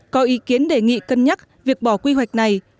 có ý kiến đề nghị cân nhắc việc bỏ quy hoạch này